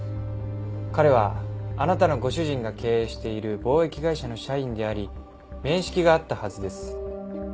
彼はあなたのご主人が経営している貿易会社の社員であり面識があったはずです。